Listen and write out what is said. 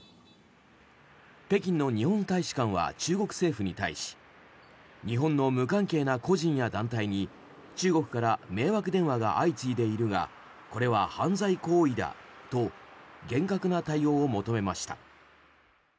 北京の日本大使館は中国政府に対し日本の無関係な個人や団体に中国から迷惑電話が相次いでいるがこれは犯罪行為だと厳格な対応を求めました。